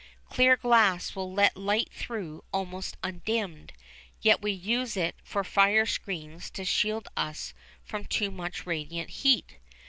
Clear glass will let light through almost undimmed, yet we use it for fire screens to shield us from too much radiant heat.